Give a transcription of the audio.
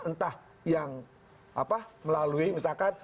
entah yang melalui misalkan